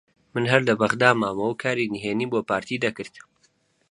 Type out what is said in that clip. من هەر لە بەغدا مامەوە و کاری نهێنیم بۆ پارتی دەکرد